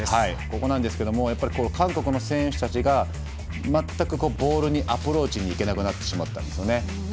ここなんですけれども韓国の選手たちが全くボールにアプローチにいけなくなってしまったんです。